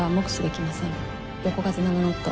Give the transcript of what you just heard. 横風７ノット。